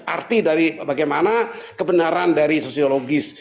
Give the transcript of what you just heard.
arti dari bagaimana kebenaran dari sosiologis